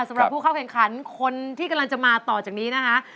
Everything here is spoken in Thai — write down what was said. สำหรับผู้เข้าแข่งขันคนที่กำลังจะมาต่อจากนี้นะคะ